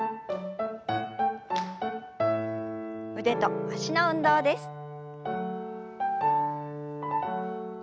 腕と脚の運動です。